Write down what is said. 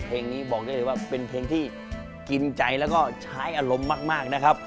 เพลงนี้บอกได้เลยว่าเป็นเพลงที่กินใจแล้วก็ใช้อารมณ์มากนะครับ